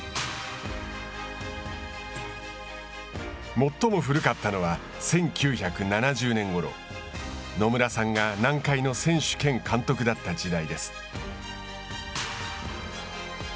最も古かったのは１９７０年ごろ野村さんが南海の選手兼監督だった時代です。